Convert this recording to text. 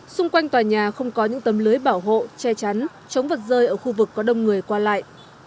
xung quanh tòa nhà không có những tấm lưới bảo hộ che chắn chống vật rơi ở khu vực có đông người qua lại